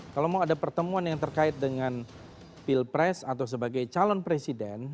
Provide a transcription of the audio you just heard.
kalau mau ada pertemuan yang terkait dengan pilpres atau sebagai calon presiden